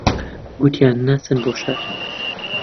گوتیان ناچن بۆ شار